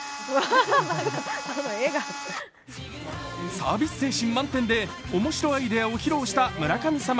サービス精神満点で面白アイデアを披露した村神様。